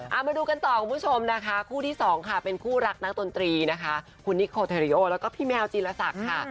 เอามาดูกันต่อคุณผู้ชมนะคะคู่ที่สองค่ะเป็นคู่รักนักดนตรีนะคะคุณนิโคเทริโอแล้วก็พี่แมวจีรศักดิ์ค่ะ